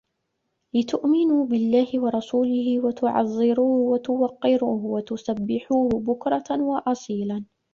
لِتُؤمِنوا بِاللَّهِ وَرَسولِهِ وَتُعَزِّروهُ وَتُوَقِّروهُ وَتُسَبِّحوهُ بُكرَةً وَأَصيلًا